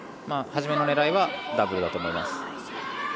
始めの狙いはダブルだと思います。